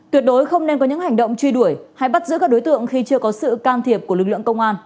tuyệt đối không nên có những hành động truy đuổi hay bắt giữ các đối tượng khi chưa có sự can thiệp của lực lượng công an